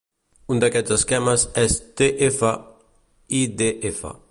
Un d'aquests esquemes és tf-idf.